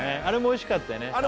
あれもおいしかったよね